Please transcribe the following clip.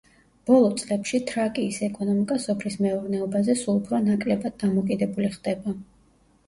ბოლო წლებში თრაკიის ეკონომიკა სოფლის მეურნეობაზე სულ უფრო ნაკლებად დამოკიდებული ხდება.